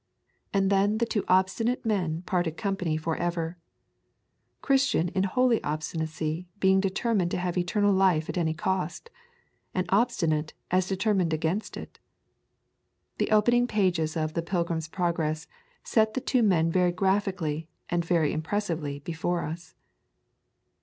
And then the two obstinate men parted company for ever, Christian in holy obstinacy being determined to have eternal life at any cost, and Obstinate as determined against it. The opening pages of The Pilgrim's Progress set the two men very graphically and very impressively before us.